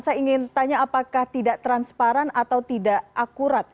saya ingin tanya apakah tidak transparan atau tidak akurat